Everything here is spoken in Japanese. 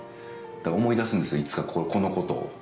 だから、思い出すんですよ、いつか、このことを。